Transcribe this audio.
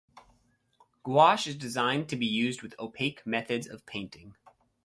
Gouache is designed to be used with opaque methods of painting.